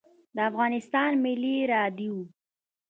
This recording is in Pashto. د افغانستان ملی رادیو